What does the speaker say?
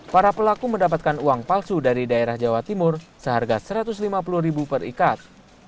para pelaku mendapatkan uang palsu dari daerah jawa timur seharga rp satu ratus lima puluh perikat